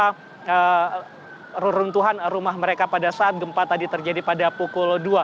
dan ini juga merupakan peruntuhan rumah mereka pada saat gempa tadi terjadi pada pukul dua